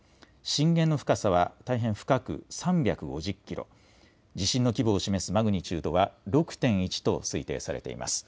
震源の深さは大変深く３５０キロ、地震の規模を示すマグニチュードは、６．１と推定されています。